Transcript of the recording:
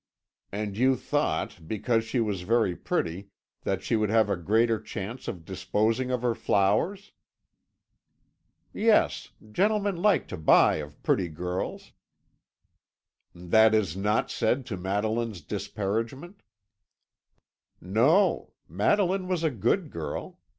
"And you thought, because she was very pretty, that she would have a greater chance of disposing of her flowers." "Yes. Gentlemen like to buy of pretty girls." "That is not said to Madeline's disparagement?" "No. Madeline was a good girl.